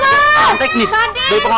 kesalahan teknis dari penguat acara